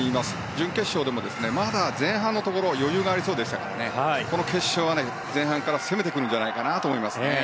準決勝でも、まだ前半のところ余裕がありそうでしたからこの決勝は前半から攻めてくるんじゃないかなと思います。